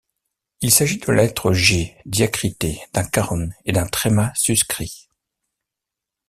Il s’agit de la lettre G diacritée d’un caron et d’un tréma suscrit.